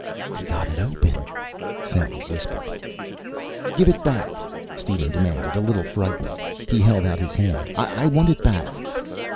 "He got it open," Sally whispered. "Give it back!" Steven demanded, a little frightened. He held out his hand. "I want it back."